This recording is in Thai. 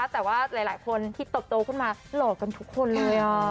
แต่ว่าหลายคนที่ตบโตขึ้นมาหล่อกันทุกคนเลย